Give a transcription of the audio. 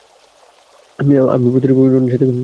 আমি প্রতি রবিবার রনির সাথে গির্জার যাই।